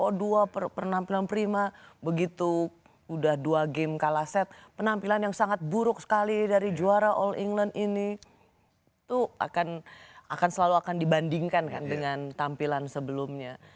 oh dua penampilan prima begitu udah dua game kalaset penampilan yang sangat buruk sekali dari juara all england ini itu akan selalu akan dibandingkan kan dengan tampilan sebelumnya